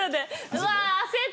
うわ焦った。